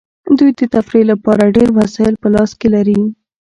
دوی د تفریح لپاره ډیر وسایل په لاس کې لري